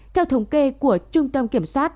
theo thống kê của trung tâm kiểm soát